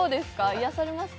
癒やされますか？